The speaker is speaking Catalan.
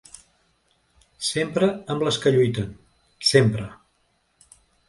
Sempre amb les que lluiten, sempre.